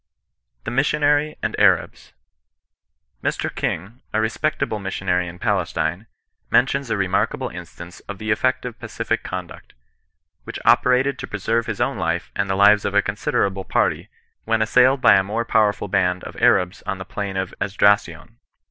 THE HISSIONABT AND ABABS. Mr King, a respectable missionary in Palestine, men» tions a remarkable instance of the effect of pacific con duct, which operated to preserve his own life and the lives of a considerable party, "viVietL ^ja^ ^'SiWii ^'o^^swj 116 CHRISTIAN NON BESIBTAMOB. powerful band of Arabs on the plain of Esdracion.